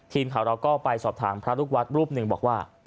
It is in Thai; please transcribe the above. ทีมข่าวเราก็ไปสอบถามพระลูกวัดรูปหนึ่งบอกว่า